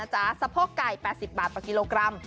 สะโพกไก่๘๐บาทต่อกิโลกรัม